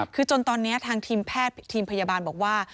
คือจนตอนนี้ทางทีมพยาบาลบอกว่า